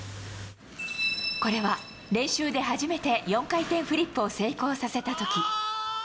これは、練習で初めて４回転フリップを成功させたとき。